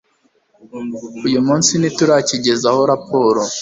uyu munsi ntituracyigezaho raporo